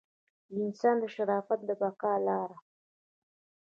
د انسان د شرافت د بقا لاره.